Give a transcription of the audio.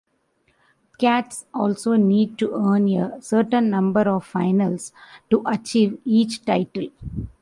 Cats also need to earn a certain number of finals to achieve each title.